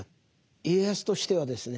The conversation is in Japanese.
家康としてはですね